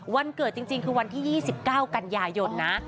วันเกิดจริงคือวันที่๒๙กันยายนนะ